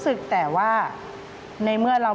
ตื่นขึ้นมาอีกทีตอน๑๐โมงเช้า